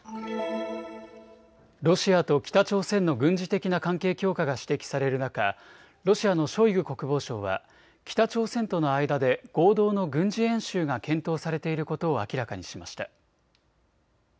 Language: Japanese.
ロシアと北朝鮮の軍事的な関係強化が指摘される中、ロシアのショイグ国防相は北朝鮮との間で合同の軍事演習が検討されていることを明らかにしました。